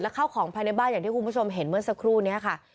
เข้าของภายในบ้านอย่างที่คุณผู้ชมเห็นเมื่อสักครู่นี้ค่ะ